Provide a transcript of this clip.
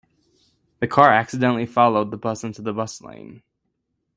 The car accidentally followed the bus into the bus lane.